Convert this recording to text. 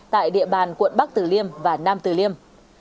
tại địa bàn quận bắc tử liêm và nam tử liêm